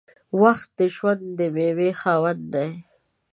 • وخت د ژوند د میوې خاوند دی.